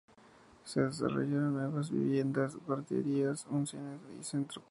Se desarrollaron nuevas viviendas, guarderías, un cine y centro cultural.